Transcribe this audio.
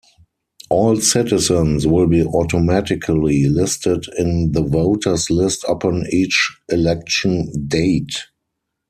All citizens will be automatically listed in the voters' list upon each election date.